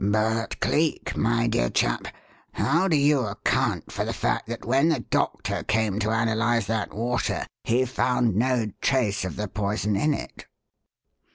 "But, Cleek, my dear chap, how do you account for the fact that when the doctor came to analyze that water he found no trace of the poison in it?"